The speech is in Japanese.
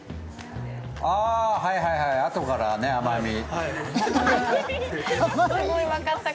あ、はいはいはい、あとから甘み。